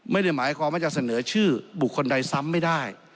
ไม่ได้หมายความว่าจะเสนอชื่อบุคคลใดซ้ำไม่ได้